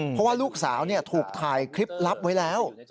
เพราะว่าลูกสาวถูกถ่ายคลิปลับไว้แล้ว